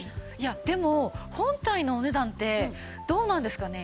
でも本体のお値段ってどうなんですかね？